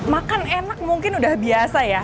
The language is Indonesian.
makan enak mungkin udah biasa ya